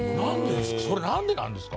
それなんでなんですか？